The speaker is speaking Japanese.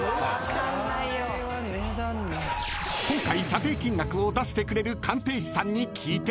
［今回査定金額を出してくれる鑑定士さんに聞いてみると］